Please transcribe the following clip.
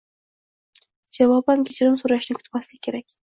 Javoban kechirim so‘rashni kutmaslik kerak.